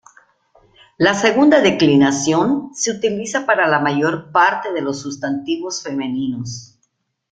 La segunda declinación se utiliza para la mayor parte de los sustantivos femeninos.